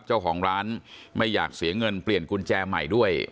เจ้าของร้านไม่อยากเสียเงินเปลี่ยนกุญแจใหม่ด้วย